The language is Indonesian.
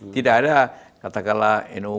tidak ada katakanlah